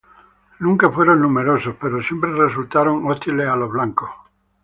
Nunca fueron numerosos, pero siempre resultaron hostiles a los blancos.